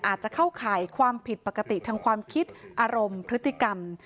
อาจจะเข้าข่ายความผิดปกติทางความคิดอารมณ์พฤติกรรม